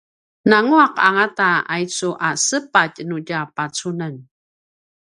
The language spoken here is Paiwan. nanguaq angata aicu a sapitj nu tja pacunen